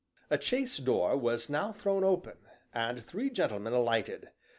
The chaise door was now thrown open, and three gentlemen alighted.